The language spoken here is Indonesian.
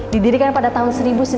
didirikan pada tahun seribu